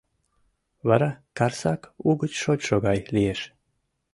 Вара Карсак угыч шочшо гай лиеш.